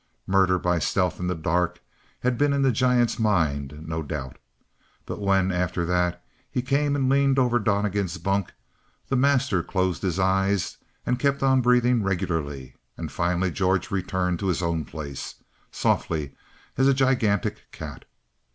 Murder by stealth in the dark had been in the giant's mind, no doubt. But when, after that, he came and leaned over Donnegan's bunk, the master closed his eyes and kept on breathing regularly, and finally George returned to his own place softly as a gigantic cat.